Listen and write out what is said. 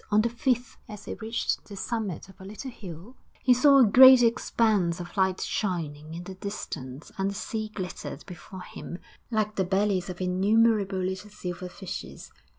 On the fifth, as he reached the summit of a little hill, he saw a great expanse of light shining in the distance, and the sea glittered before him like the bellies of innumerable little silver fishes.